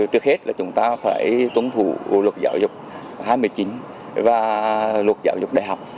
trước hết chúng ta phải tuân thủ luật giáo dục hai mươi chín và luật giáo dục đại học